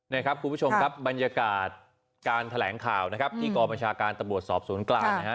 นี่ครับคุณผู้ชมครับบรรยากาศการแถลงข่าวนะครับที่กองบัญชาการตำรวจสอบสวนกลางนะฮะ